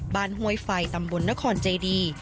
บ้านโฮยไฟตำบลนครเจดี